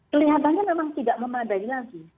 kelihatannya memang tidak memadai lagi